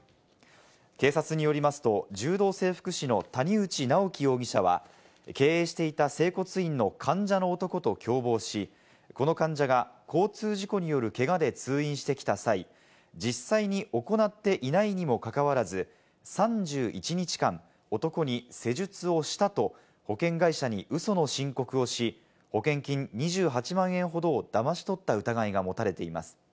警察によりますと、柔道整復師の谷内直樹容疑者は経営していた整骨院の患者の男と共謀し、この患者が交通事故によるけがで通院してきた際、実際に行っていないにもかかわらず、３１日間、男に施術をしたと保険会社にウソの申告をし、保険金２８万円ほどをだまし取った疑いが持たれています。